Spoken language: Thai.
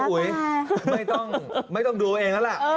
อ้าอุ๊ยไม่ต้องดูเองละล่ะ